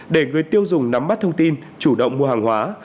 để người tiêu dùng nắm bắt thông tin chủ động mua hàng hóa